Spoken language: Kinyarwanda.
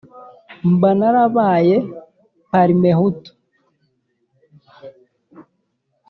Mba narabaye Parmehutu